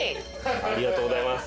ありがとうございます。